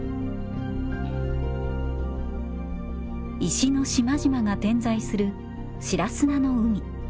石の島々が点在する白砂の海。